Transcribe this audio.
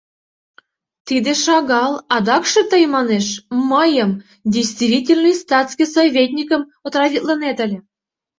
Тиде шагал, адакше тый, манеш, мыйым, действительный статский советникым, отравитлынет ыле!